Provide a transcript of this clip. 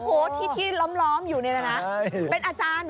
โอ้โฮที่ล้อมอยู่ในนี้ละนะ